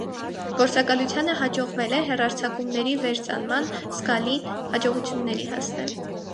Գործակալությանը հաջողվել է հեռարձակումների վերծանման զգալի հաջողությունների հասնել։